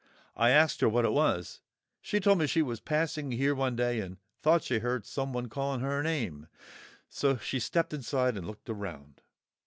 I asked her what it was. She told me she was passing here one day and thought she heard someone calling her name; so she stepped inside and looked around.